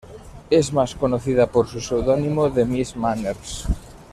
Es más conocida por su pseudónimo de Miss Manners.